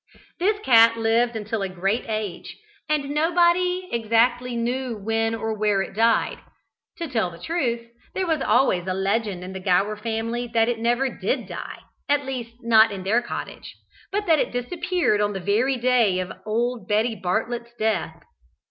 This cat lived until a great age, and nobody exactly knew when or where it died. To tell the truth there was always a legend in the Gower family that it never did die, at least not in their cottage, but that it disappeared on the very day of old Betty Bartlet's death.